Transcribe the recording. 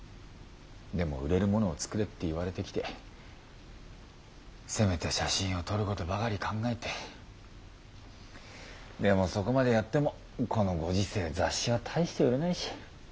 でも売れるものを作れって言われてきて攻めた写真を撮ることばかり考えてでもそこまでやってもこのご時世雑誌は大して売れないし。